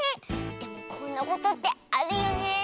でもこんなことってあるよね。